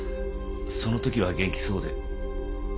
そのときは元気そうで。